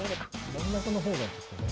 真ん中の方がちょっとね。